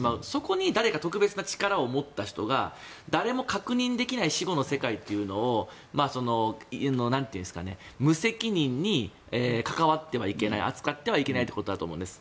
そこに誰か特別な力を持った人が誰も確認できない死後の世界というのを無責任に関わってはいけない扱ってはいけないということだと思うんです。